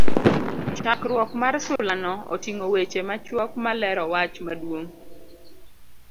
chakruok mar sulano otingo weche machuok ma lero wach maduong'